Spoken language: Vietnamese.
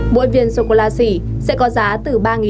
bộ viên sô cô la xỉ sẽ có giá tương lai